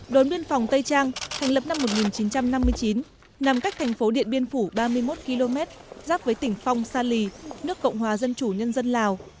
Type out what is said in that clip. đồn biên phòng tây trang thành lập năm một nghìn chín trăm năm mươi chín nằm cách thành phố điện biên phủ ba mươi một km giáp với tỉnh phong sa lì nước cộng hòa dân chủ nhân dân lào